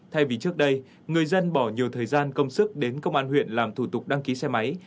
thay vì trước đây người dân bỏ nhiều thời gian công sức đến công an huyện làm thủ tục đăng ký xe máy